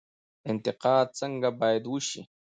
انتقاد څنګه باید وشي؟